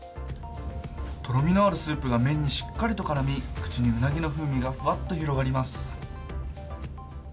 とろみのあるスープが麺にしっかりとからみ、口にうなぎの風味がふわっと広がります。